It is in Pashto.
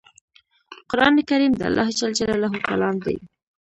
قرآن کریم د الله ج کلام دی